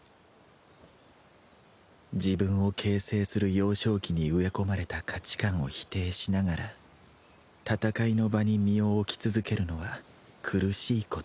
自分を形成する幼少期に植え込まれた価値観を否定しながら戦いの場に身を置き続けるのは苦しいことだ。